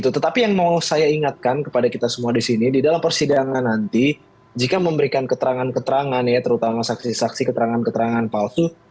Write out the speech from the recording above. tetapi yang mau saya ingatkan kepada kita semua di sini di dalam persidangan nanti jika memberikan keterangan keterangan ya terutama saksi saksi keterangan keterangan palsu